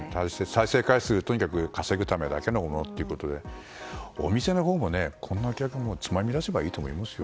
再生回数をとにかく稼ぐためだけのものということでお店のほうも、こんなお客をつまみ出せばいいと思いますよ。